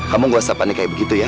kamu gak usah panik kayak begitu ya